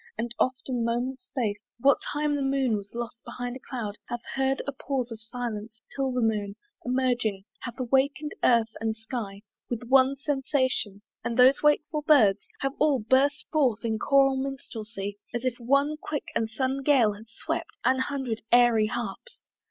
and oft, a moment's space, What time the moon was lost behind a cloud, Hath heard a pause of silence: till the Moon Emerging, hath awaken'd earth and sky With one sensation, and those wakeful Birds Have all burst forth in choral minstrelsy, As if one quick and sudden Gale had swept An hundred airy harps!